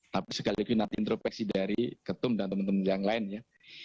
tapi segalanya nanti intropeksi dari ketum dan teman teman yang lainnya